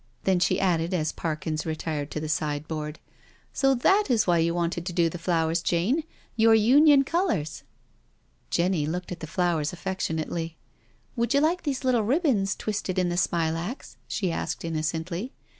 Then she added as Parkins re tired to the sideboard: "So thai is vrhy you wanted to do the flowers, Jane? — your Union colours." Jenny looked at the flowers affectionately. " Would you like these little ribbons twisted in the smilax?" she asked innocently.